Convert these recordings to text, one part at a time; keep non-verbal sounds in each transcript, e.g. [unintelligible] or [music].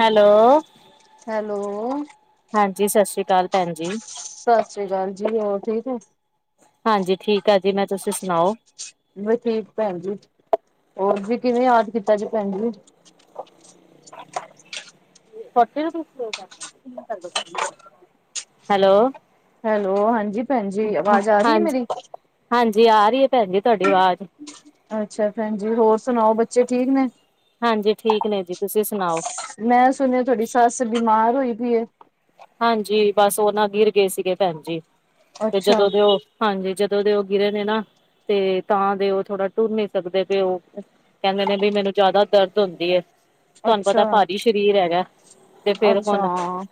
Hello. Hello. ਹਾਂਜੀ, ਸਤ ਸ਼੍ਰੀ ਕਾਲ ਭੈਣ ਜੀ। ਸਤਿ ਸ੍ਰੀ ਅਕਾਲ ਜੀ ਹੋਰ ਠੀਕ ਹੈ। ਹਾਂਜੀ ਠੀਕ ਆ ਜੀ ਮੈਂ ਤੁਸੀਂ ਸੁਣਾਓ? ਵੀ ਠੀਕ ਭੈਣ ਜੀ ਹੋਰ ਜੀ ਕਿਵੇਂ ਯਾਦ ਕੀਤਾ ਜੀ ਭੈਣ ਜੀ। ਹੈਲੋ। ਹੈਲੋ ਹਾਂਜੀ ਭੈਣ ਜ ਆਵਾਜ਼ ਆ ਰਹੀ ਹੈ ਹਾਂਜੀ ਮੇਰੀ। ਹਾਂਜੀ ਆ ਰਹੀ ਹੈ ਭੈਣ ਜੀ ਤੁਹਾਡੀ ਆਵਾਜ਼। ਅੱਛਾ ਭੈਣ ਜਜੀ ਹੋਰ ਸੁਣਾਓ ਬੱਚੇ ਠੀਕ ਨੇ? ਹਾਂਜੀ ਠੀਕ ਨੇ ਜੀ ਤੁਸੀਂ ਸੁਣਾਓ? ਮੈਂ ਸੁਣਿਆ ਤੁਹਾਡੀ ਸੱਸ ਬਿਮਾਰ ਹੋਈ ਪਈ। ਹਾਂਜੀ ਬਸ ਉਹ ਨਾ ਗਿਰ ਗਏ ਸੀਗੇ ਭੈਣ ਜੀ ਤੇ ਅੱਛਾ ਜਦੋਂ ਦੇ ਉਹ ਹਾਂਜੀ ਜਦੋਂ ਦੇ ਉਹ ਗਿਰੇ ਨੇ ਨਾ ਤੇ ਤਾਂ ਦੇ ਉਹ ਥੋੜਾ ਟੁਰ ਨੀ ਸਕਦੇ ਕਿ ਉਹ ਕੈੰਦੇ ਨੇ ਬਈ ਮੈਨੂੰ ਜੈਦਾ ਦਰਦ ਹੁੰਦੀ ਏ। ਤੁਹਾਨੂੰ ਅੱਛਾ ਪਤਾ ਭਾਰੀ ਸਰੀਰ ਹੈਗੈ, ਤੇ ਫੇਰ ਹੁਣ ਹਾਂ।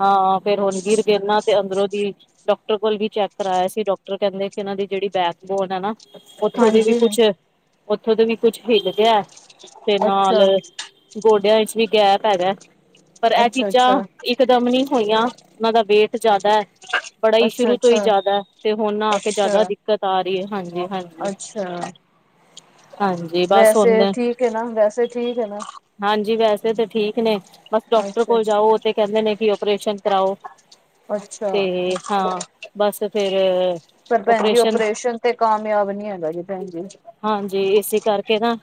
ਹਾਂ, ਫੇਰ ਹੁਣ ਗਿਰ ਗੇਣ ਨਾ ਤੇ ਅੰਦਰੋਂ ਦੀ ਡਾਕਟਰ ਕੋਲ ਵੀ ਚੈੱਕ ਕਰਵਾਆ ਸੀ ਡਾਕਟਰ ਕਹਿੰਦੇ ਕਿ ਇਹਨਾਂ ਦੀ ਜਿਹੜੀ ਬੈਕਬੋਨ ਹੈ ਨਾ। ਉੱਥੋਂ ਦੇ ਵੀ ਹਾਂਜੀ ਕੁਛ ਉੱਥੋਂ ਦੇ ਵੀ ਕੁਝ ਹਿੱਲ ਤੇ ਹੈ। ਤੇ ਨਾਲ ਅੱਛਾ ਗੋਡਿਆਂ ਵਿੱਚ ਵੀ ਗਹਿ ਪੈਦਾ ਪਰ ਇਹ ਅੱਛਾ ਚੀਜ਼ਾਂ ਅੱਛਾ ਇਕਦਮ ਨਹੀਂੀ ਹੋਈਆਂ ਉਹਨਾਂ ਦਾ ਵੇਟ ਜ਼ਿਆਦਾ ਹੈ। ਬੜਾ ਹੀ ਅੱਛਾ ਸ਼ੁਰੂ ਤੋਂ ਹੀ ਅੱਛਾ ਜ਼ਿਆਦਾ ਤੇ ਹੁਣ ਨਾ ਆ ਕੇ ਜਿਆਦਾ ਅੱਛਾ ਦਿੱਕਤ ਆ ਰਹੀ ਹੈ ਹਾਂਜੀ ਹਾਂਜੀ। ਅੱਛਾ ਹਾਂਜੀ ਬਸ ਵੈਸੇ ਹੁਣ ਠੀਕ ਹੈ ਨਾ ਵੈਸੇ ਠੀਕ ਹੈ ਨਾ। ਹਾਂਜੀ ਵੈਸੇ ਤਾਂ ਠੀਕ ਨੇ ਬਸ ਡਾਕਟਰ ਅੱਛਾ ਕੋਲ ਅੱਛਾ ਜਾਓ ਉਹ ਤੇ ਕਹਿੰਦੇ ਨੇ ਕਿ ਓਪਰੇਸ਼ਨ ਕਰਾਓ। ਅੱਛਾ ਤੇ ਅੱਛਾ ਹਾਂ ਬਸ ਫੇਰ ਪਰ ਭੈਣ ਜੀ ਓਪਰੇਸ਼ਨ ਤੇ ਕਾਮਯਾਬ ਨੀ ਹੈਗਾ ਜੀ ਭੈਣ ਜੀ ਹਾਂਜੀ ਇਸੇ ਕਰਕੇ ਨਾ।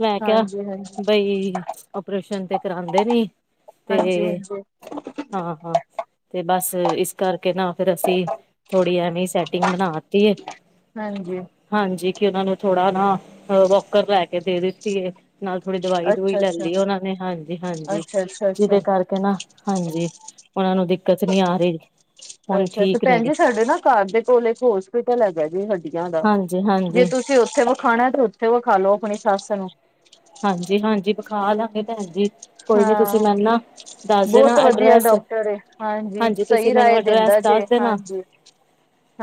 ਮੈਂ ਕਿਹਾ ਹਾਂਜੀ ਹਾਂਜੀ ਬਈ ਆਪਓਰੇਸ਼ਨ ਤੇ ਕਰਾਉਦੇ ਨੀ। ਤੇ ਹਾਂਜੀ ਹਾਂਜੀ। ਹਾਂ ਹਾਂ। ਤੇ ਬਸ ਇਸ ਕਰਕੇ ਨਾ ਫੇਿਰ ਅਸੀਂ ਥੋੜ੍ਹੀ ਐਵੇ ਸੈਟਿੰਗ ਬਣਾ ਦਿੱਤੀਏ। ਹਾਂਜੀ। ਹਾਂਜੀ ਕਿ ਉਹਨਾਂ ਨੂੰ ਥੋੜਾ ਨਾ ਵੋਕਰ ਲੈ ਕੇ ਦੇ ਦਿੱਤੀਏ। ਨਾਲ ਥੋੜ੍ਹੀ ਦਵਾਈ ਦਵਈ ਅੱਛਾ ਲੈ ਅੱਛਾ ਲਈ ਉਹਨਾਂ ਨੇ ਹਾਂਜੀ ਹਾਂਜੀ ਅੱਛਾ ਅੱਛਾ ਅੱਛਾ ਜਿਹਦੇ ਕਰਕੇ ਨਾ। ਹਾਂਜੀ ਉਹਨਾਂ ਨੂੰ ਦਿੱਕਤ ਨੀ ਆ ਰਹੀ। ਹੁਣ ਅੱਛਾ ਤੇ ਠੀਕ ਨੇ ਭੈਣ ਗੇ ਜੀ ਸਾਡੇ ਨਾ ਘਰ ਦੇ ਕੋਲ ਇੱਕ ਹੋਸਪਿਟਲ ਹੈਗਾ ਜੀ ਹੱਡੀਆਂ ਦਾ ਹਾਂਜੀ ਜੇ ਹਾਂਜੀ ਤੁਸੀਂ ਜੇ ਉੱਥੇ ਵਿਖਾਉਣਾ ਉੱਥੇ ਵਿਖਾ ਲੋੋ ਆਪਣੀ ਸੱਸ ਨੂੰ। ਹਾਂਜੀ -ਹਾਂਜੀ ਵਿਖਾ ਲਵਾਂਗੇ ਭੈਣ ਜੀ। ਕੋਈ ਨੀ ਤੁਸੀਂ ਹਾਂ, ਮੈਨੂੰ ਨਾ ਦੱਸ ਦੇਣਾ ਬਹੁਤ ਵਧੀਆ ਐਡਰੈਸ ਡਾਕਟਰ ਹਾਂਜੀ ਤੁਸੀਂ ਸਹੀ ਮੈਨੂੰ ਰਾਏ ਐਡਰੈਸ ਦਿੰਦਾ ਜੇ। ਦੱਸ ਦੇਣਾ ਹਾਂਜੀ।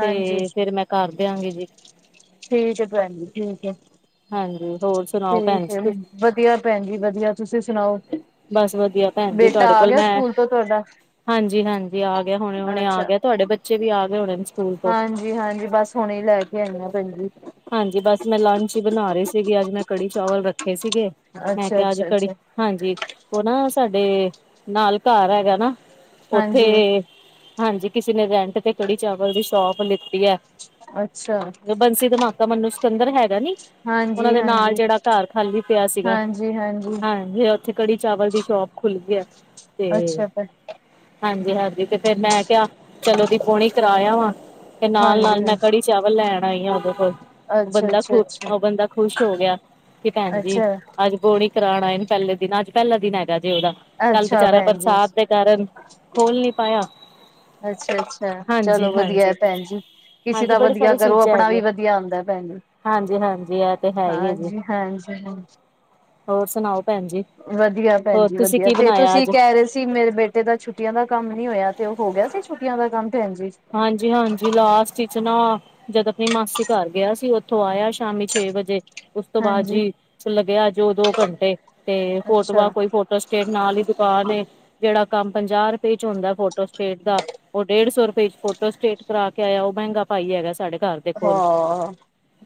ਤੇ ਫੇਿਰ ਮੈਂ ਕਰ ਦਿਆਂਗੀ ਜੀ। ਠੀਕ ਭੈਣ ਜੀ ਠੀਕ। ਹਾਂਜੀ ਹੋਰ ਸੁਣਾਓ ਭੈਣ ਠੀਕ ਹੈ ਜੀ ਤੁਸੀਂ ਵਧੀਆ ਭੈਣ ਜੀ ਵਧੀਆ ਤੁਸੀਂ ਸੁਣਾਓ ਬਸ ਵਧੀਆ ਬੇਟਾ ਆ ਗਿਆ ਸਕੂਲ ਤੋਂ ਤੁਹਾਡਾ? ਹਾਂਜੀ ਹਾਂਜੀ ਆ ਗਿਆ ਹੁਣੇ ਹੁਣੇ ਅੱਛਾ ਆ ਗਿਆ ਤੁਹਾਡੇ ਬੱਚੇ ਵੀ ਆ ਗਏ ਹੋਣੇ ਸਕੂਲ ਤੋਂ। ਹਾਂਜੀ ਹਾਂਜੀ ਬਸ ਹੁਣੇ ਲੈ ਗ। ਣ ਭੈਜੀ। ਹਾਂਜੀ ਬਸ ਮੈਂ ਲੰਚ ਹੀ ਬਣਾ ਰਹੀ ਸੀਗੀ ਅੱਜ ਮੈਂ ਕੜੀ ਚਾਵਲ ਰੱਖੇ ਸੀਗੇ ਮੈਂ ਅੱਛਾ ਕਿਹਾ ਅੱਜ ਅੱਛਾ ਕੜੀ ਅੱਛਾ ਹਾਂਜੀ ਉਹ ਨਾ ਸਾਡੇ ਨਾਲ ਘਰ ਹੈਗਾ ਨਾ ਹਾਂਜੀ ਉੱਥੇ ਹਾਂਜੀ ਕਿਸੇ ਨੇ ਰੈਂਟ ਤੇ ਕੜੀ ਚਾਵਲ ਦੀ ਸ਼ੋਪ ਲਿੱਤੀ ਹੈ। ਅੱਛਾ। ਬ ਮ। [unintelligible] ਤਾਂ ਮੈਨੂੰ ਸਕਿਕੰਦਰ ਹੈਗਾ ਨੀ, ਉਹਨਾਂ ਹਾਂਜੀ ਦੇ ਨਾਲ ਹਾਂਜੀ ਜਿਹੜਾ ਘਰ ਖਾਲੀ ਪਿਆ ਸੀਗਾ। ਹਾਂਜੀ ਉੱਥੇ ਕੜੀ ਚਾਵਲ ਦੀ ਸ਼ੋਪ ਖੁੱਲ ਗਈ ਹੈ ਤੇ ਅੱਛਾ ਹਾਂਜੀ, ਹਾਂਜੀ ਤੇ ਫੇਰ ਮੈਂ ਕਿਹਾ ਚਲੋ ਉਦੀ ਬੋਣੀ ਕਰਵਾਇਆ ਵਾ ਤੇ ਨਾਲ, ਹਾਂਜੀ ਨਾਲ ਮੈਂ ਹਾਂਜੀ ਕੜੀ ਚਾਵਲ ਲੈਣ ਆਈ ਆ ਉਹਦੇ ਕੋਲ ਅੱਛਾ ਬੰਦਾ ਖ ਅੱਛਾ ਅੱਛਾ ਉਹ ਬੰਦਾ ਖੁਸ਼ ਹੋ ਗਿਆ ਕਿ ਭੈਣ ਜੀ ਅੱਛਾ ਅੱਜ ਬੋਣੀ ਕਰਾਉਣ ਆਏ ਪਹਿਲੇ ਦਿਨਾਂ ਅੱਜ ਪਹਿਲਾ ਦਿਨ ਹੈਗਾ ਜੇ ਉਹਦਾ ਕੱਲ ਅੱਛਾ ਵਿਚਾਰਾ ਭੈਣ ਜੀ ਬਰਸਾਤ ਦੇ ਕਾਰਨ ਖੋਲ ਨੀ ਪਾਇਆ ਅੱਛਾ, ਅੱਛਾ ਹਾਂਜੀ-ਹਾਂਜੀ ਚਲੋ ਵਧੀਆ ਹਾਂਜੀ ਭੈਣ ਜੀ। ਕਿਸੇ ਹਾਂਜੀ ਦਾ ਬੜੀ ਵਧੀਆ ਕਰੋ ਆਪਣਾ ਵੀ ਵਧੀਆ ਹੁੰਂਦਾ ਭੈਣ। ਹਾਂਜੀ, ਹਾਂਜੀ। ਇਹ ਤੇ ਹੈ ਹੀ ਹੈ ਜੀ ਹਾਂਜੀ ਹਾਂਜੀ ਹਾਂਜੀ ਹੋਰ ਸੁਣਾਓ ਭੈਣ ਜੀ। ਵਧੀਆ ਭੈਣ ਹੋਰ ਜੀ ਤੁਸੀਂ ਵਧੀਆ ਕੀ ਤੇ ਬਣਾਇਆ ਤੁਸੀਂ ਅੱਜ ਕਹਿ ਰਹੇ ਸੀ ਮੇਰੇ ਬੇਟੇ ਦਾ ਛੁੱ ਛੁੱਟੀਆਂ ਦਾ ਕੰਮ ਨੀ ਹੋਇਆ ਤੇ ਉਹ ਹੋ ਗਿਆ ਸੀ ਛੁੱਟੀਆਂ ਦਾ ਕੰਮ ਤੇ। ਹਾਂਜੀ, ਹਾਂਜੀ। ਲਾਸਟ ਵਿਚ ਨਾ। ਜਦੋਂ ਆਪਣੀ ਮਾਸੀ ਘਰ ਗਿਆ ਸੀ ਉੱਥੋਂ ਆਇਆ ਸ਼ਾਮੀ ਛੇ ਵਜੇ। ਉਸ ਤੋਂ ਬਾਅਦ ਹਾਂਜੀ ਜੀ ਲੱਗਿਆ ਜੋ ਦੋ ਘੰਟੇ ਤੇ ਅੱਛਾ ਫੋਟੋ ਕੋਈ ਫੋੋਟੋ ਸਟੇਟ ਨਾਲ ਹੀ ਦੁਕਾਨ ਜਿਹੜਾ ਕੰਮ ਪੰਜਾਹ ਰੁਪਏ ਚ ਹੁੰਦਾ ਫੋਟੋ ਸਟੇਟ ਦਾ ਉਹ ਡੇਢ ਸੌ ਰੁਪਏ ਚ। ਫੋਟੋ ਸਟੇਟ ਕਰਾ ਕੇ ਆਇਆ ਉਹ ਮਹਿੰਗਾ ਭਾਈ ਹੈਗਾ ਸਾਡੇ ਘਰ ਦੇ ਕੋਲ। ਹਾਂ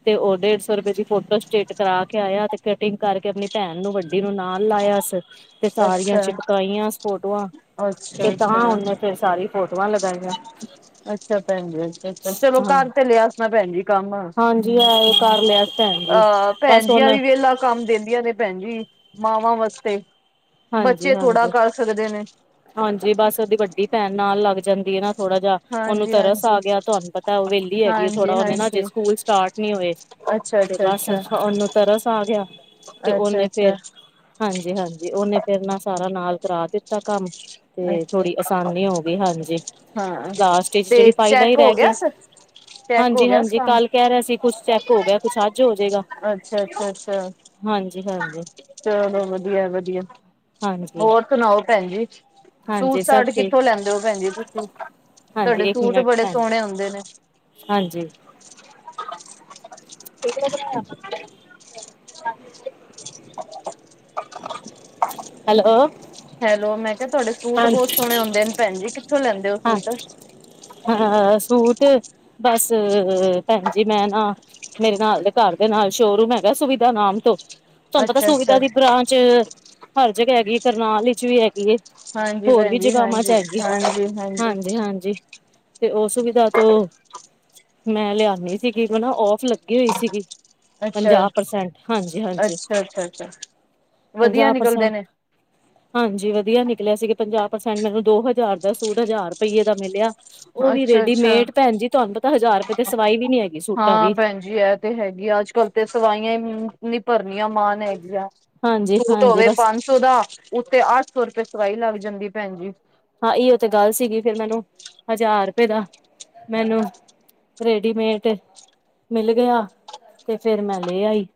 ਤੇ ਉਹ ਡੇਢ ਸੌ ਰੁਪਏ ਦੀ ਫੋਟੋ ਸਟੇਟ ਕਰਾ ਕੇ ਆਇਆ ਤੇ ਕਟਿੰਗ ਕਰਕੇ ਆਪਣੀ ਭੈਣ ਨੂੰ ਵੱ ਨੂੰ ਨਾਲ ਲਾਇਆ ਸ ਤੇ ਸਾਰੀਆਂ ਅੱਛਾ ਚਿਪਕਾਈਆਂ ਫੋਟੋਆਂ ਤੇ ਤਾਂ ਅੱਛਾ-ਅੱਛਾ, ਉਹਨੇ ਅੱਛਾ ਫਿਰ ਸਾਰੀ ਫੋਟੋਆਂ ਲਗਾਈਆਂ। ਅੱਛਾ ਭੈਣ ਜੀ ਅੱਛਾ, ਅੱਛਾ ਚਲੋ ਹਾਂ ਕਰ ਤੇ ਲਿਆ ਭੈਣ ਜੀ ਕੰਮ। ਹਾਂਜੀ ਜੀ ਆ। ਕਰ ਲਿਆ ਸੀ ਭੈਣ ਆਹ ਭੈਣ ਜੀ ਅਹ ਵੀ ਵੇਹਲਾ ਕੰਮ ਦਿੰਦੀਆਂ ਨੇ ਭੈਣ ਜੀ ਮਾਵਾਂ ਵਾਸਤੇ ਹਾਂਜੀ ਬੱਚੇ ਥੋੜਾ ਹਾਂਜੀ ਕਰ ਸਕਦੇ ਨੇ। ਹਾਂਜੀ। ਬਸ ਉਹਦੀ ਵੱਡੀ ਭੈਣ ਨਾਲ ਲੱਗ ਜਾਂਦੀ ਹੈ ਨਾ। ਥੋੜਾ ਜਾ ਉਹਨੂੰ ਤਰਸ ਹਾਂਜੀ-ਹਾਂਜੀ, ਆ ਗਿਆ ਤੁਹਾਨੂੰ ਪਤਾ ਉਹ ਵਿਹਲੀ ਹੈਗੀ ਹੈ। ਥੋੜਾ ਨੇ ਨਾ ਹਜੇ ਹਾਂਜੀ-ਹਾਂਜੀ, ਸਕੂਲ ਸਟਾਰਟ ਨੀ ਹੋਏ। ਤੇ ਬਸ ਅੱਛਾ-ਅੱਛਾ-ਅੱਛਾ, ਉਹਨੂੰ ਤਰਸ ਆ ਗਿਆ। ਤੇ ਅੱਛਾ, ਉਹਨੇ ਫੇਰ ਅੱਛਾ। ਹਾਂਜੀ, ਹਾਂਜੀ। ਉਹਨੇ ਫਿਰ ਨਾ ਸਾਰਾ ਨਾਲ ਕਰਾ ਦਿੱਤਾ ਕੰਮ। ਤੇ ਅੱਛਾ ਥੋੜ੍ਹੀ ਆਸਾਨੀ ਹੋ ਗਈ ਹਾਂਜੀ ਅੱਛਾ ਹਾਂ ਲਾਸਟ ਚ ਤੇ ਜਿਹੜੀ ਫਾਈਲ ਹੀ ਚੈੱਕ ਹੋ ਰਹਿ ਗਿਆ ਸਰ ਚੈੱਕ ਹੋ ਹਾਂਜੀ, ਗਿਆ ਸ ਹਾਂਜੀ। ਕੰਮ ਕੱਲ ਕਹਿ ਰਿਹਾ ਸੀ ਕੁਛ ਚੈੱਕ ਹੋ ਗਿਆ ਕੁਛ ਅੱਜ ਹੋ ਜਾਏਗਾ। ਅੱਛਾ-ਅੱਛਾ-ਅੱਛਾ ਹਾਂਜੀ, ਹਾਂਜੀ। ਚਲੋ ਵਧੀਆ, ਵਧੀਆ ਹਾਂਜੀ ਹੋਰ ਸੁਣਾਓ ਭੈਣ ਜੀ। ਸੂਟ ਹਾਂਜੀ ਸਭ ਸਾਟ ਠੀਕ ਕਿੱਥੋਂ ਲੈਂਦੇ ਹੋ ਭੈਣ ਜੀ ਤੁਸੀਂ ਹਾਂਜੀ ਤੁਹਾਡੇ ਇੱਕ ਸੂਟ ਮਿੰਟ ਬੜੇ ਭੈਣ ਜੀ, ਸੋਹਣੇ ਹੁੰਦੇ ਨੇ ਹਾਂਜੀ ਹੈਲੋ! ਹੈਲੋ, 'ਮੈਂ ਕਿਹਾ ਤੁਹਾਡੇ ਸੂਟ ਹਾਂ ਬਹੁਤ ਸੋਹਣੇ ਹੋਂਦੇ ਨੇ, ਭੈਣ ਜੀ। ਕਿੱਥੋਂ ਲੈਂਦੇ ਹੋ ਸੂਟ? ਹਾਂ ਸੂਟ ਬਸ ਭੈਣ ਜੀ, ਮੈਂ, ਨਾ ਮੇਰੇ ਨਾਲ ਦੇ ਘਰ ਦੇ ਨਾਲ ਸ਼ੋਰੂਮ ਹੈਗਾ ਸੁਵਿਧਾ ਨਾਮ ਤੋਂ। ਤੁਹਾਨੂੰ ਪਤਾ ਅੱਛਾ ਅੱਛਾ ਸੁਵਿਧਾ ਦੀ ਬ੍ਰਾਂਚ ਹਰ ਜਗ੍ਹਾ ਹੈਗੀ ਕਰਨਾਲ ਵਿੱਚ ਵੀ ਹੈਗੀ ਹੈ ਹਾਂਜੀ ਹੋਰ ਵੀ ਭੈਣਜੀ। ਜਗ੍ਹਾਵਾਂ ਚ ਹਾਂਜੀ- ਹੈਗੀ ਹਾਂਜੀ-ਹਾਂਜੀ। ਹਾਂਜੀ, ਹਾਂਜੀ ਤੇ ਉਹ ਸੁਵਿਧਾ ਤੋਂ ਮੈਂ ਲਿਆਉਦੀ ਸੀਗੀ ਮ ਔਫ ਲੱਗੀ ਹੋਈ ਸੀਗੀ। ਅੱਛਾ ਪੰਜਾਹ ਪ੍ਰਸੈਂਟ ਹਾਂਜੀ, ਹਾਂਜੀ ਅੱਛਾ ਅੱਛਾ ਅੱਛਾ ਵਧੀਆ ਪੰਜਾਹ ਨਿਕਲਦੇ ਪ੍ਰਸੈਂਟ। ਨੇ ਹਾਂਜੀ। ਵਧੀਆ ਨਿਕਲਿਆ ਸੀਗੇ ਪੰਜਾਹ ਪਰਸੈਂਟ ਮੈਨੂੰ ਦੋ ਹਜ਼ਾਰ ਦਾ ਸੂਟ ਹਜ਼ਾਰ ਰੁਪਈਏ ਦਾ ਮਿਲਿਆ। ਉਹ ਵੀ ਅੱਛਾ ਅੱਛਾ ਰੇਡੀਮੇਡ ਭੈਣ ਜੀ ਤੁਹਾਨੂੰ ਪਤਾ ਹਜ਼ਾਰ ਰੁਪਏ ਦੀ ਸਵਾਈ ਵੀ ਨੀ ਹੈਗੀ। ਸੂਟਾਂ ਹਾਂ ਦੀ। ਭੈਣਜੀ ਇਹ ਤੇ ਹੈਗੀ। ਆ ਅੱਜ ਕੱਲ ਤੇ ਸਵਾਈਆਂ ਹੀ ਨੀ ਭਰਨੀਆਂ ਮਾਨ ਹੈਗੀਆ ਹਾਂਜੀ ਸੂਟ ਹਾਂਜੀ ਹੋਵੇ, ਬਸ ਪੰਜ ਚੋਦਾ, ਉੱਤੇ ਅੱਠ- ਸੌ ਰੁਪਏ, ਸਵਾਈ ਲੱਗ ਜਾਂਦੀ ਭੈਣ ਜੀ। ਹਾਂ, ਇਯੋ ਤੇ ਗੱਲ ਸੀਗੀ ਫੇਰ ਮੈਨੂੰ, ਹਜ਼ਾਰ-ਰਪਏ, ਦਾ ਮੈਨੂੰ ਰੇਡੀਮੇਟ ਮਿਲ ਗਿਆ, ਤੇ ਫੇਰ ਮੈਂ ਲੇ ਆਈ।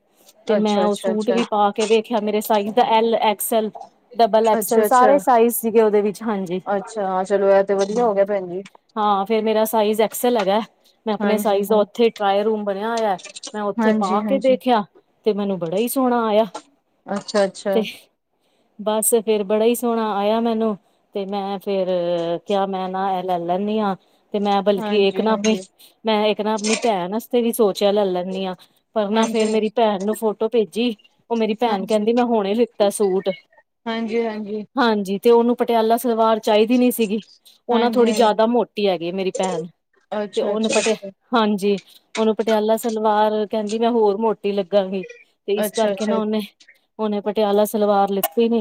ਤੇ ਮੈਂ, ਅੱਛਾ ਉਹ ਅੱਛਾ ਸੂਟ ਅੱਛਾ ਵੀ, ਪਾ ਕੇ ਵੇਖਿਆ ਮੇਰੇ ਸਾਈਜ਼ ਦਾ ਐਲ, ਐਕਸਲ, ਡਬਲ ਐਕਸਲ ਅੱਛਾ ਸਾਰੇ ਅੱਛਾ ਸਾਈਜ਼ ਸੀਗੇ ਓਦੇ ਵਿੱਚ। ਹਾਂਜੀ। ਅੱਛਾ। ਚਲੋ ਐ ਤੇ ਵਧੀਆ ਹੋ ਗਿਆ ਭੈਣ ਜੀ। ਹਾਂ, ਫਿਰ ਮੇਰਾ ਸਾਈਜ਼ ਐਕਸਲ ਹੈਗਾ। ਮੈਂ ਅਪਣੇ ਹਾਂਜੀ ਸਾਈਜ਼ ਦਾ, ਹਾਂ ਉੱਥੇ ਟ੍ਰਾਏ ਰੂਮ ਬਣਿਆ ਹੋਇਆ, ਮੈਂ ਉੱਥੇ ਹਾਂਜੀ ਪਾਕੇ ਹਾਂਜੀ ਦੇਖਿਆ ਤੇ ਮੈਨੂੰ, ਬੜਾ ਈ ਸੋਹਣਾ ਆਇਆ। ਅੱਛਾ-ਅੱਛਾ। ਬੱਸ ਫੇਰ, ਬੜਾ ਈ ਸੋਹਣਾ ਆਇਆ ਮੈਨੂੰ ਤੇ, ਮੈਂ ਫੇਰ ਕਿਆ ਮੈਂ ਨਾ ਐ ਲੈ ਲੈਨੀ ਆ, ਤੇ ਮੈਂ, ਬਲਕਿ ਏਕ ਹਾਂਜੀ ਨਾ ਅਪਣੀ ਹਾਂਜੀ ਮੈਂ ਏਕ ਨਾ, ਆਪਣੀ ਭੈਣ ਅਸਤੇ ਵੀ ਸੋਚਿਆ ਲੈ ਲੈਨੀ ਆ। ਪਰਨਾ ਫੇਰ ਹਾਂਜੀ, ਨਾ, ਮੇਰੀ ਭੈਣ ਨੂੰ ਫੋਟੋ ਭੇਜੀ ਉਹ ਮੇਰੀ ਭੈਣ ਹਾਂਜੀ, ਹਾਂਜੀ, ਕਹਿੰਦੀ, ਮੈਂ ਹੁਣੇ ਲਿੱਤਾ ਸੂਟ। ਹਾਂਜੀ, ਹਾਂਜੀ। ਹਾਂਜੀ ਤੇ ਉਹਨੂੰ, ਪਟਿਆਲਾ ਸਲਵਾਰ ਚਾਹੀਦੀ ਨੀ ਸੀਗੀ, ਉਹ ਨਾ, ਥੋੜ੍ਹੀ ਹਾਂਜੀ, ਜਿਆਦਾ ਮੋਟੀ ਹੈਗੀ ਆ ਮੇਰੀ ਭੈਣ, ਤੇ ਅੱਛਾ, ਉਹਨੂੰ ਅੱਛਾ, ਪਟਿਆ ਅੱਛਾ। ਹਾਂਜੀ, ਉਹਨੂੰ ਪਟਿਆਲਾ ਸਲਵਾਰ ਕਹਿੰਦੀ ਮੈਂ, ਹੋਰ ਮੋਟ ਟੀ ਲੱਗਾਂਗੀ ਤੇ ਇਸ ਅੱਛਾ, ਅੱਛਾ, ਕਰਕੇ ਨਾ, ਓਨੇ, ਓਨੇ ਪਟਿਆਲਾ ਸਲਵਾਰ ਲਿੱਤੀ ਨੀ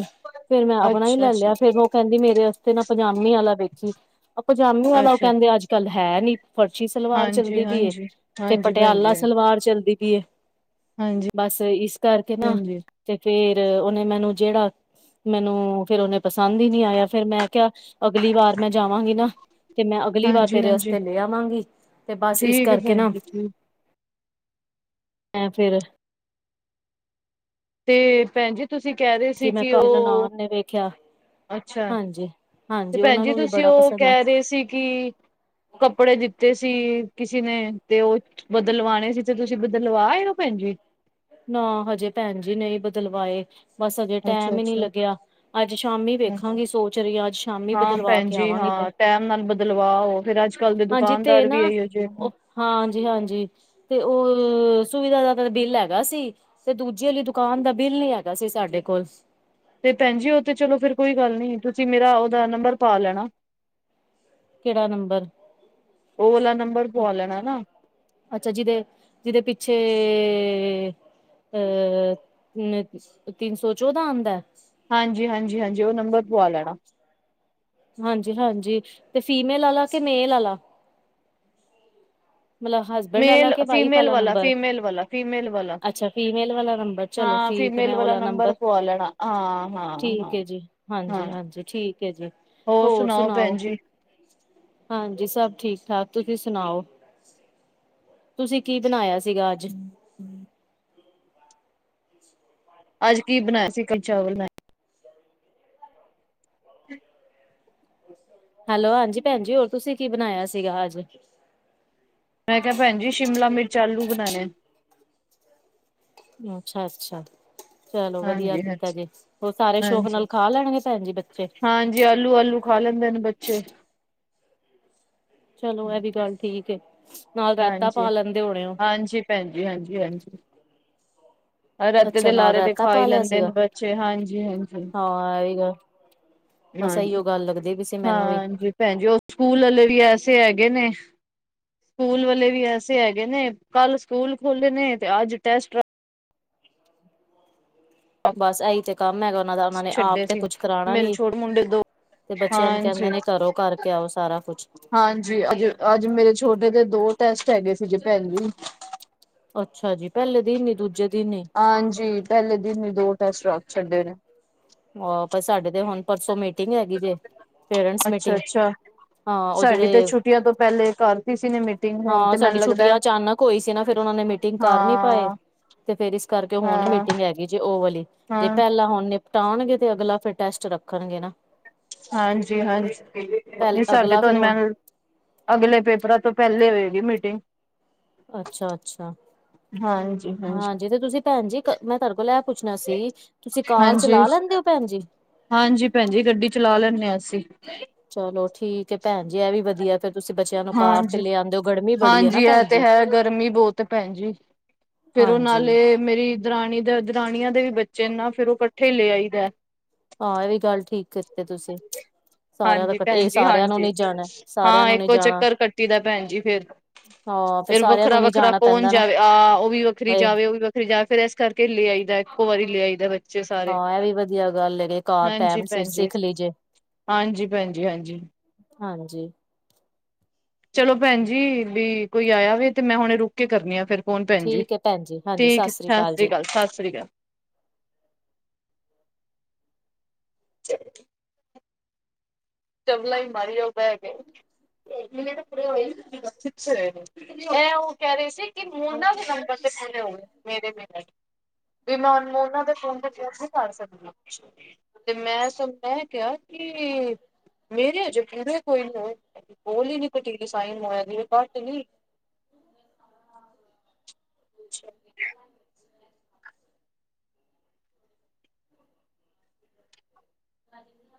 ਫਿਰ ਮੈਂ ਆਪਣਾ ਹੀ ਅੱਛਾ, ਲੈ ਲਿਆ, ਅੱਛਾ, ਫਿਰ ਮੈਂ ਉਹ ਕਹਿੰਦੀ ਮੇਰੇ ਵਾਸਤੇ ਨਾ ਪਜਾਮੀ ਆਲਾ ਵੇਖੀਂ। ਓ ਪਜਾਮੀ ਆਲਾ, ਉਹ ਅੱਛਾ, ਕਹਿੰਦੇ ਅੱਜ-ਕੱਲ ਹੈ ਨੀ। ਫਰਸ਼ੀ ਸਲਵਾਰ ਹਾਂਜੀ, ਚੱਲਦੀ ਪਈ ਏ, ਹਾਂਜੀ। ਤੇ ਹਾਂਜੀ ਭੈਣ ਜੀ, ਪਟਿਆਲਾ ਸਲਵਾਰ ਚੱਲਦੀ ਪੀਏ। ਹਾਂਜੀ, ਬਸ ਇਸ ਕਰਕੇ ਨਾ ਹਾਂਜੀ, ਤੇ ਫਿਰ ਉਨੇ ਮੈਨੂੰ ਜਿਹੜਾ, ਮੈਨੂੰ ਫਿਰ ਉਨੇ ਪਸੰਦ ਈ ਨੀ ਆਇਆ, ਫੇਰ ਮੈਂ ਕਿਆ, ਅਗਲੀ ਵਾਰ ਮੈਂ ਜਾਵਾਂਗੀ ਨਾ ਤੇ, ਮੈਂ ਅਗਲੀ ਵਾਰ ਹਾਂਜੀ, ਤੇਰੇ ਹਾਂਜੀ। ਅਸਤੇ ਲੈ ਆਵਾਂਗੀ, ਤੇ ਬਸ ਇਸ ਠੀਕ ਹੈ ਕਰਕੇ ਭੈਣ ਨਾ ਜੀ ਠੀਕ ਐਂ, ਫੇਰ ਤੇ, ਭੈਣ ਜੀ ਤੁਸੀਂ ਕਹਿ ਰਹੇ ਸੀ, ਮੈਂ ਕਿ ਘਰ ਉਹ, ਨਨਾਣ ਨੇ ਵੇਖਿਆ ਅੱਛਾ। ਹਾਂਜੀ ਤੇ ਹਾਂਜੀ ਭੈਣ ਉਹਨਾਂ ਜੀ ਨੂੰ ਵੀ ਤੁਸੀ ਬੜਾ ਉਹ, ਪਸੰਦ ਆ ਕਹਿ ਰੇ ਸੀ, ਕਿ ਕੱਪੜੇ ਦਿੱਤੇ ਸੀ ਕਿਸੇ ਨੇ, ਤੇ ਉਹ ਬਦਲਵਾਣੇ ਸੀ ਤੇ, ਤੁਸੀਂ ਬੱਦਲਵਾਏ ਓ ਭੈਣ ਜੀ? ਨਾ, ਹਜੇ ਭੈਣ ਜੀ, ਨਈ ਬਦਲਵਾਏ। ਬਸ ਅਜੇ ਅੱਛਾ, ਟੈਮ ਈ ਨੀ ਅੱਛਾ। ਲਗਿਆ, ਅੱਜ ਸ਼ਾਮੀ ਵੇਖਾਂਗੀ ਸੋਚ ਰੀ ਆਂ। ਅੱਜ ਸ਼ਾਮੀ ਹਾਂ ਬਦਲਵਾ ਭੈਣ ਕੇ ਜੀ ਆਵਾਂਗੀ ਫੇਰ। ਹਾਂ ਟੈਮ ਨਾਲ ਬਦਲਵਾਓ ਫੇਰ, ਅੱਜ-ਕੱਲ ਦੇ ਦੁਕਾਨਦਾਰ ਵੀ ਏਇਓ ਜੇ ਹਾਂ, ਜੀ-ਹਾਂਜੀ, ਤੇ ਉਹ--ਸੁਵਿਧਾ ਦਾ ਤਾਂ ਬਿੱਲ ਐ ਹੈਗਾ ਸੀ, ਤੇ ਦੂਜੇ ਆਲੀ ਦੁਕਾਨ ਦਾ ਬਿੱਲ ਨੀ ਹੈਗਾ ਸੀ, ਸਾਡੇ ਕੋਲ। ਤੇ ਭੈਣਜੀ, ਉਹ ਤੇ ਚਲੋ, ਫੇਰ ਕੋਈ ਗੱਲ ਨੀ। ਤੁਸੀਂ ਮੇਰਾ, ਉਹਦਾ ਨੰਬਰ ਪਾ ਲੈਣਾ। ਕਿਹੜਾ ਨੰਬਰ ਉਹ ਵਲਾ, ਨੰਬਰ ਪਵਾ, ਲੈਣਾ ਨਾ। ਅੱਛਾ। ਜਿਦੇ -ਜਿਦੇ ਪਿੱਛੇ ਅਹ ਤਿੰਨ-ਸੌ ਚੋਦਾ ਆਂਦੈ। ਹਾਂਜੀ-ਹਾਂਜੀ-ਹਾਂਜੀ, ਉਹ ਨੰਬਰ ਪਵਾ ਲੈਣਾ। ਹਾਂਜੀ-ਹਾਂਜੀ ਤੇ ਫੀਮੇਲ ਅਲਾ ਕੇ, ਮੇਲ ਆਲਾ? ਮਤਲਬ ਹਸਬੈਂਡ ਵਾਲਾ ਮੇਲ, ਕਿ ਵਾਈਫ ਫੀਮੇਲ ਵਾਲਾ, ਨੰਬਰ ਫੀਮੇਲ ਵਲਾ, ਫੀਮੇਲ ਵਾਲਾ। ਅੱਛਾ ਫੀਮੇਲ ਵਾਲਾ ਨੰਬਰ ਚਲੋ ਹਾਂ, ਠੀਕ ਹੈ ਫੀਮੇਲ ਮੈਂ ਵਾਲਾ ਉਹਲਾ ਨੰਬਰ ਪਵਾ ਲੇਣਾ ਹਾਂ-ਹਾਂ-ਹਾਂ-ਹਾਂ। ਠੀਕ ਹੈ ਜੀ ਹਾਂਜੀ-ਹਾਂਜੀ ਠੀਕ ਹੈ ਜੀ ਹੋਰ ਸਣਾਓ, ਭੈਣ ਜੀ? ਹਾਂਜੀ, ਸਭ ਠੀਕ-ਠਾਕ ਤੁਹੀ ਸੁਣਾਓ? ਤੁਸੀ ਕੀ ਬਣਾਇਆ ਸੀਗਾ, ਅੱਜ? ਅਜ ਕੀ ਬਣਾਇਆ ਸੀ, ਕਲ ਚਾਵਲ ਮੈਂ ਹ [unintelligible] ਹੈਲੋ। ਹਾਂਜੀ, ਭੈਣਜੀ। ਹੋਰ ਤੁਸੀਂ ਕੀ ਬਣਾਇਆ ਸੀਗਾ ਅੱਜ? ਮੈਂ ਕਿਆ ਭੈਣਜੀ, ਸ਼ਿਮਲਾ ਮਿਰਚ, ਆਲੂ ਬਣਾਣੇ। ਅੱਛਾ- ਅੱਛਾ। ਚਲੋ, ਵਧੀਆ ਹਾਂਜੀ ਕੀਤਾ ਹਾਂਜੀ ਜੇ। ਉਹ ਸਾਰੇ, ਸ਼ੌਕ ਨਾਲ, ਖਾ ਲੈਣਗੇ ਭੈਣ ਜੀ ਬੱਚੇ। ਜੇ ਆਲੂ- ਆਲੂ, ਖਾ ਲੈਂਦੇ ਨੇ ਬੱਚੇ। ਚਲੋ, ਇਹ ਵੀ, ਗੱਲ ਠੀਕ ਏ। ਨਾਲ ਰੇਤਾ, ਪਾ ਲੈਂਦੇ ਹੋਣੇ ਹੋ। ਭੈਜੀ, ਹਾਂਜੀ- ਹਾਂਜੀ। ਰੇਤੇ ਅੱਛਾ ਦੇ ਨਾਲ ਲਾਰੇ, ਤੇ ਰਾਇਤਾ ਖਾਈ ਪਾ ਲਿਆ ਲੈਂਦੇ ਸੀਗਾ ਨੇ ਬੱਚੇ। ਹਾਂਜੀ- ਹਾਂਜੀ। ਹਾਂ ਇਹ ਵੀ ਗੱਲ ਬਸ ਹਾਂਜੀ, ਇਹੀਓ ਗੱਲ ਲੱਗਦੀ ਪਈ ਸੀ ਮੈਨੂੰ ਵੀ ਹਾਂਜੀ, ਭੈਣ ਜੀ, ਉਹ ਸਕੂਲ ਵਾਲੇ, ਵੀ ਐਸੇ ਹੈਗੇ ਨੇ। ਸਕੂਲ ਵਾਲੇ, ਵੀ ਐਸੇ ਹੈਗੇ ਨੇ। ਕੱਲ ਸਕੂਲ ਖੋਲੇ ਨੇ। ਤੇ ਅੱਜ ਟੈਸਟ। ਬਸ ਇਹੀ ਤੇ ਕੰਮ ਹੈਗਾ ਉਹਨਾਂ ਦਾ ਉਹਨਾਂ ਨੇ ਆਪ ਛੱਡੇ ਤੇ ਸੀ। ਕੁੱਛ ਕਰਾਣਾ ਮੇਰੇ ਨੀ ਛੋਟੇ, ਮੁੰਡੇ ਦੋ। ਤੇ ਬੱਚਿਆਂ ਨੂੰ ਹਾਂਜੀ, ਕਹਿੰਦੇ ਨੇ ਘਰੋਂ ਕਰਕੇ ਆਓ ਸਾਰਾ ਕੁਛ ਹਾਂਜੀ, ਅਜ। ਅੱਜ ਮੇਰੇ ਛੋਟੇ ਦੇ। ਦੋ ਟੈਸਟ, ਹੈਗੇ ਸੀ, ਜੇ। ਭੈਣਜੀ। ਅੱਛਾ ਜੀ। ਪਹਿਲੇ ਦਿਨ ਹੀ ਦੂਜੇ ਦਿਨ ਹੀ। ਹਾਂਜੀ। ਪੈਲੇ ਦਿਨ ਈ ਦੋ ਟੈਸਟ ਰੱਖ ਛੜੇ, ਨੇ। ਔ ਪਰ, ਸਾਡੇ ਤੇ ਹੁਣ ਪਰਸੋਂ ਮੀਟਿੰਗ, ਹੈਗੀ ਵੇ। ਪੇਰੈਂਟਸ ਅੱਛਾ ਮੀਟਿੰਗ, ਹਾਂ। ਉਹ ਜੇੜੇ ਮ ਤੋਂ ਪਹਿਲੇ ਕਰਤੀ ਸੀ। ਨੇ ਮਿੱਟੀ [unintelligible] ਹਾਂ। ਸਾਡੀ ਛੁੱਟੀਆਂ, ਅਚਾਨਕ ਹੋਈ ਸੀ, ਨਾ। ਫੇਰ ਉਨਾਂ ਨੇ, ਮੀਟਿੰਗ ਕਰ ਨੀ ਪਾਏ। ਹਾਂ ਤੇ ਫੇਰ ਇਸ ਕਰਕੇ, ਹੁਣ ਹਾਂ ਮੀਟਿੰਗ ਹੈਗੀ, ਜੇ। ਉਹ ਵਾਲੀ, ਜੇ ਹਾਂ ਪਹਿਲਾਂ ਹੁਣ ਨੇ। ਟਾਉਣਗੇ ਤੇ, ਅਗਲਾ ਫੇਰ, ਟੈਸਟ ਰੱਖਣਗੇ ਨਾ। ਹਾਂਜੀ- ਪਹਿਲ ਹਾਂਜੀ। ਸਾਡੇ ਅਗਲਾ ਤਾ ਫਿਰ ਹੁਣ ਮੈਂ। ਅਗਲੇ ਪੇਪਰਾਂ ਤੋਂ, ਪਹਿਲੇ ਹੋਏਗੀ, ਮੀਟਿੰਗ। ਅੱਛਾ- ਅੱਛਾ। ਹਾਂਜੀ ਹਾਂ, ਹਾਂਜੀ ਜਿਥੇ ਤੁਸੀਂ ਭੈਣ ਜੀ। ਮੈਂ ਤੁਹਾਡੇ ਕੋਲ, ਇਹ ਪੁੱਛਣਾ ਸੀ। ਤੁਸੀਂ ਕਾਰ ਹਾਂਜੀ, ਚਲਾ ਲੈਂਦੇ ਹੋ ਭੈਣ ਜੀ ਹਾਂਜੀ। ਭੈਣਜੀ, ਗੱਡੀ ਚਲਾ ਲੈਂਦੇ ਹ ਅਸੀਂ। ਚਲੋ ਠੀਕ ਹੈ। ਭੈਣ ਜੀ, ਇਹ ਵੀ ਵਧੀਆ। ਫੇਰ ਤੁਸੀਂ ਬੱਚਿਆਂ ਨੂੰ ਕਾਰ ਤੇ ਹਾਂਜੀ, ਲਿਆਂਦੇ ਹੋ ਗਰਮੀ ਬੜੀ ਹੈ ਨਾ ਹਾਂਜੀ, ਇਹ ਭੈਣ ਤੇ ਜੀ ਹੈ। ਗਰਮੀ ਬਹੁਤ ਹੈ। ਭੈਣ ਜੀ। ਫੇਰ ਉਹ ਹਾਂਜੀ ਨਾਲੇ, ਮੇਰੀ ਦਰਣੀ ਦਾ, ਦਰਾਣੀਆਂ ਦੇ, ਵੀ ਬੱਚੇ ਨਾ। ਫੇਰ ਉਹ ਇਕੱਠੇ ਲੈ ਆਈਦਾ। ਹਾਂ ਇਹ ਵੀ, ਗੱਲ ਠੀਕ, ਕੀਤੀ ਤੁਸੀਂ। ਸਾਰਿਆਂ ਦਾ ਹਾਂਜੀ, ਇਕੱਠੇ ਭੈਣ ਇਹ ਜੀ ਸਾਰਿਆਂ ਨੂੰ ਹਾਂਜੀ। ਨੀ ਜਾਣਾ ਸਾਰਿਆਂ ਹਾਂ, ਨੂੰ ਨੀ ਇੱਕੋ ਜਾਣਾ ਚੱਕਰ, ਕੱਟੀ ਦਾ ਭੈਣ ਜੀ ਫੇਰ। ਹਾਂ ਫੇਰ, ਸਾਰਿਆਂ ਨੂੰ ਵੱਖਰਾ- ਨੀ ਵੱਖਰਾ, ਜਾਣਾ ਕੌਣ ਪੈਂਦਾ ਨਾ ਜਾਵੇ। ਆਹ ਉਹ ਵੀ, ਵੱਖਰੀ ਹਏ ਜਾਵੇ, ਉਹ ਵੀ ਵੱਖਰੀ। ਫੇਰ, ਜਾਂ ਇਸ ਕਰਕੇ ਲੈ ਆਈ ਦਾ। ਇੱਕੋ ਵਾਰੀ ਲੈ ਆਈਦਾ। ਬੱਚੇ ਸਾਰੇ ਹਾਂ, ਇਹ ਵੀ ਵਧੀਆ, ਗੱਲ ਹੈ। ਕਾਰ ਹਾਂਜੀ ਟੈਮ ਸਿਰ ਭੈਣ ਜੀ, ਸਿੱਖ ਲੀਜੇ। ਹਾਂਜੀ, ਭੈਣਜੀ, ਹਾਂਜੀ। ਹਾਂਜੀ। ਚਲੋ ਭੈਣ ਜੀ ਵੀ ਕੋਈ ਆਇਆ ਵ ਤੇ ਮੈਂ ਹੁਣੇ ਰੁਕ ਕੇ ਕਰਨੀ ਆ ਫਿਰ ਫੋਨ ਭੈਣ ਜੀ ਠੀਕ ਹੈ ਭੈਣ ਜੀ ਹਾਂਜੀ ਠੀਕ ਸਤਿ ਸ੍ਰੀ ਜੀ ਅਕਾਲ ਸਤਿ ਸ੍ਰੀ ਅਕਾਲ ਸ ਠੀਕ ਚਾਵਲਾ ਹੀ ਮਾਰੀ ਜਾਓ ਬਹਿ ਗਏ ਉਹ ਕਹਿ, ਰਿਹਾ ਸੀ ਕਿ, ਮ ਨਾ। ਸੱਲ ਹੋਏ ਮੇਰੇ ਮੇਲੇ ਵੀ ਮੈ ਉਹਨਾਂ, ਦੇ ਫੋਨ ਤੇ, ਕਿਹਾ ਸੀ, ਘਰ ਚੜਣਾ। ਤੇ ਮੈਂ, ਸ ਐ ਕਿਹਾ ਕਿ। ਮੇਰੇ ਅਜੇ, ਪੂਰੇ ਕੋਈ, ਨੂੰ ਕੋਲ ਹੀ ਨ ਕੁਟੀਰੀ [unintelligible] ਸਾਈ ਮੋ ਦੀ ਘੱਟ ਨ ਅਛਾ। ਹਾਂਜੀ।